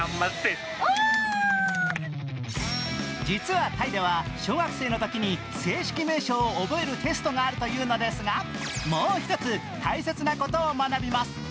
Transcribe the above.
実はタイでは小学生のときに正式名称を覚えるテストがあるというのですが、もう一つ大切なことを学びます。